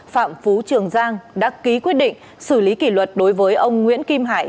phạm phú trường giang đã ký quyết định xử lý kỷ luật đối với ông nguyễn kim hải